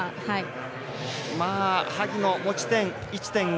萩野、持ち点１．５。